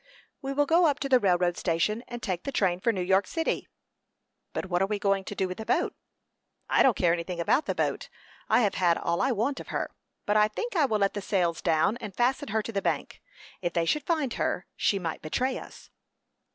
"We will go up to the railroad station, and take the train for New York city." "But what are you going to do with the boat?" "I don't care anything about the boat. I have had all I want of her. But I think I will let the sails down, and fasten her to the bank. If they should find her, she might betray us."